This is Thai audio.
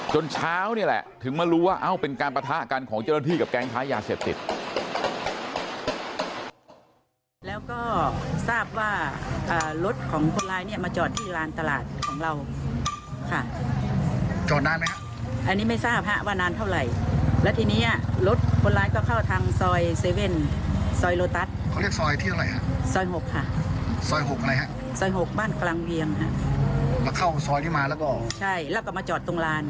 เช้านี่แหละถึงมารู้ว่าเป็นการปะทะกันของเจ้าหน้าที่กับแก๊งค้ายาเสพติด